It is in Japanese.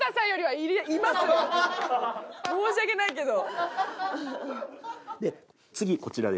申し訳ないけど。